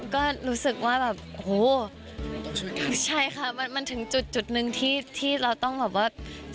ก็รู้สึกว่าแบบโอ้โหใช่ค่ะมันถึงจุดหนึ่งที่เราต้องแบบว่า